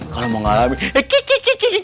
kalau mengalami hehehe